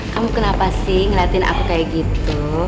kamu kenapa sih ngeliatin aku kayak gitu